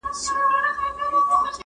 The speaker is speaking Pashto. د خدای کار وو هلکان دواړه لویان سوه,